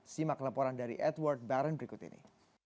simak laporan dari edward barren berikut ini